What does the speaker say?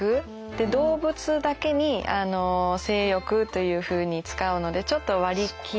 動物だけに性欲というふうに使うのでちょっと割り切りますね。